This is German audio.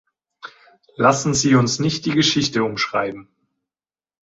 Lassen Sie uns nicht die Geschichte umschreiben.